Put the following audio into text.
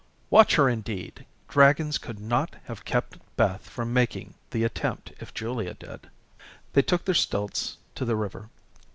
Watch her indeed! Dragons could not have kept Beth from making the attempt if Julia did. They took their stilts to the river.